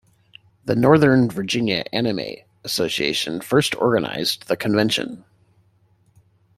The Northern Virginia Anime Association first organized the convention.